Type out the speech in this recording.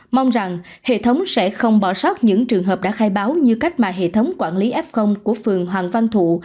mong rằng hệ thống sẽ không bỏ sót những trường hợp đã khai báo như cách mà hệ thống quản lý f của phường hoàng văn thụ